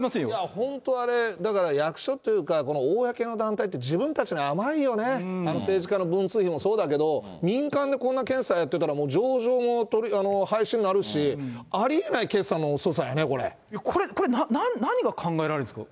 本当、あれ、だから役所っていったら、公の団体って、自分たちに甘いよね、政治家の文通費もそうだけど、民間でこんな決算やってたら、もう上場も廃止になるし、ありえない決算の遅さやね、これ、何が考えられるんですか。